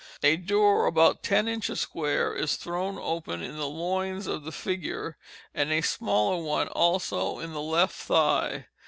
A door about ten inches square is thrown open in the loins of the figure, and a smaller one also in the left thigh.